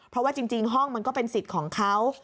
เพราะว่าจริงห้องมันก็เป็นสิทธิ์ของเขา